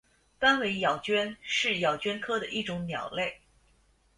斑尾咬鹃是咬鹃科的一种鸟类。